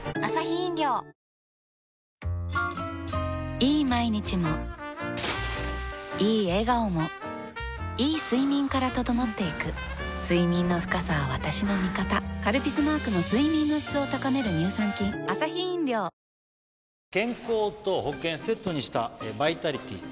いい毎日もいい笑顔もいい睡眠から整っていく睡眠の深さは私の味方「カルピス」マークの睡眠の質を高める乳酸菌熱中症って知ってる？